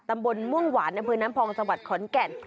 ตำบลเมืองหวานน้ำพรงสวัสดิ์ขอนแก่น